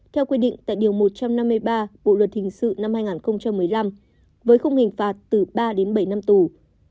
theo quy định tại điều một trăm năm mươi ba bộ luật hình sự năm hai nghìn một mươi năm với không hình phạt từ ba đến bảy năm tù